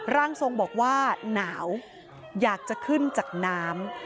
ร่างทรงบอกว่าหนาวอยากจะขึ้นจากน้ำ